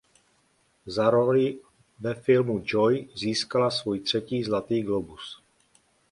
Za roli ve filmu "Joy" získala svůj třetí Zlatý glóbus.